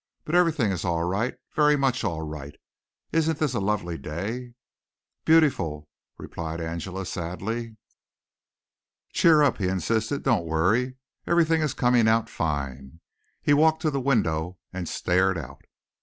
"But everything is all right very much all right. Isn't this a lovely day!" "Beautiful," replied Angela sadly. "Cheer up," he insisted. "Don't worry. Everything is coming out fine." He walked to the window and stared out.